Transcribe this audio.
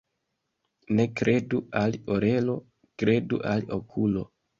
Ne kredu al orelo, kredu al okulo.